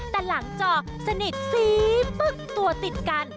แต่หลังจอสนิทสีปึ๊กตัวติดกัน